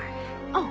あっ。